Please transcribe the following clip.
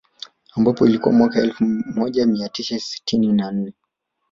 Ambapo ilikuwa mwaka elfu moja mia tisa sitini na nne